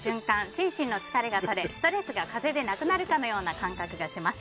心身疲れが取れストレスが風でなくなるかのような感覚がします。